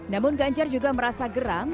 namun ganjar juga merasa geram